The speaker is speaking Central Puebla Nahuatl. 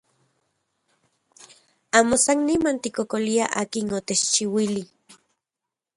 Amo san niman tikkokoliaj akin otechchiuili.